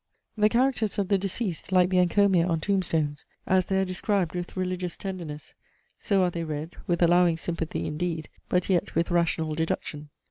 The characters of the deceased, like the encomia on tombstones, as they are described with religious tenderness, so are they read, with allowing sympathy indeed, but yet with rational deduction.